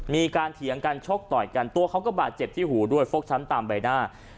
เถียงกันชกต่อยกันตัวเขาก็บาดเจ็บที่หูด้วยฟกช้ำตามใบหน้า